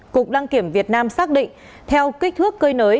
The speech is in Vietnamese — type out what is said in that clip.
cục đăng kiểm việt nam xác định theo kích thước cơi nới